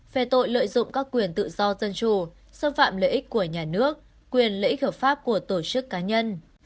về tội lợi dụng các quyền tự do dân chủ xâm phạm lợi ích của nhà nước quyền lợi ích hợp pháp của tổ chức cá nhân